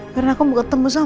karena aku mau ketemu sama al